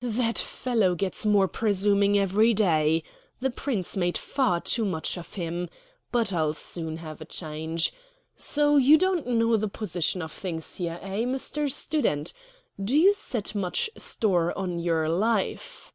"That fellow gets more presuming every day. The Prince made far too much of him; but I'll soon have a change. So you don't know the position of things here, eh, Mr. Student? Do you set much store on your life?"